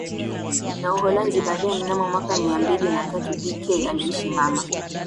na Uholanzi baadaye Mnamo mwaka Mia mbili na tatu B K aliishi mama